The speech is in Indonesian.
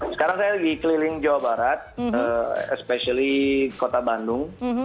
sekarang saya lagi keliling jawa barat especially kota bandung